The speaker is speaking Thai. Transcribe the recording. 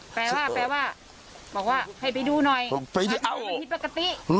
แปลว่าแปลว่าบอกว่าให้ไปดูหน่อยมันผิดปกติ